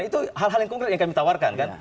itu hal hal yang konkret yang kami tawarkan kan